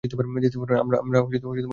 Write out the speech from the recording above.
আমরা ওকে বের করতে পারব!